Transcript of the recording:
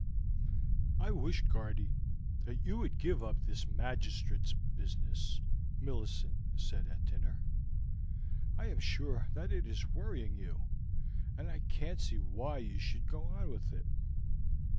"I wish, Guardy, you would give up this magistrate's business," Millicent said at dinner. "I am sure that it is worrying you, and I can't see why you should go on with it."